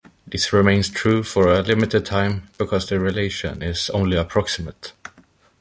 This remains true for a limited time, because the relation is only approximate.